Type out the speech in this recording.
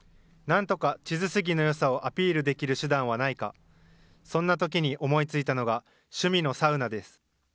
なんとか智頭杉のよさをアピールできる手段はないか、そんなときに思いついたのが、趣味のサウナです。